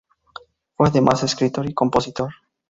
Fue además escritor y compositor.